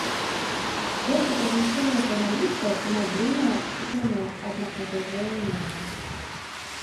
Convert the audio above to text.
Ёсць у правінцыйных журналістаў і мабільныя, купленыя аднак на чужыя імёны.